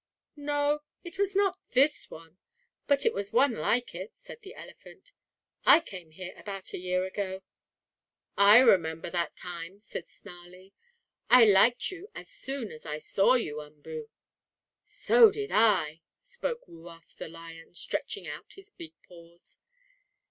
"No, it was not this one, but it was one like it," said the elephant. "I came here about a year ago." "I remember that time," said Snarlie. "I liked you as soon as I saw you, Umboo." "So did I," spoke Woo Uff, the lion, stretching out his big paws.